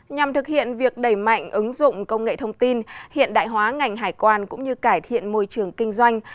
nhằm thực hiện việc đẩy mạnh ứng dụng công nghệ thông tin hiện đại hóa ngành hải quan cũng như cải thiện môi trường kinh doanh